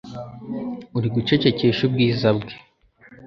Uri gucecekesha ubwiza bwe,